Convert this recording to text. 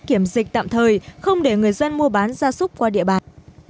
kiểm dịch tạm thời không để người dân mua bán gia súc qua địa bàn